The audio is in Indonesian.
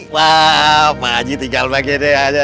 wah pak aji tinggal pake deh aja